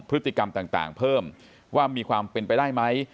พฤติกรรมต่างเพิ่มว่ามีความเป็นไปได้ไหม